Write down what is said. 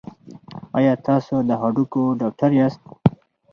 ایا تاسو د هډوکو ډاکټر یاست؟